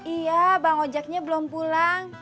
iya bang ojeknya belum pulang